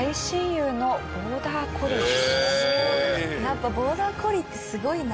やっぱボーダー・コリーってすごいな。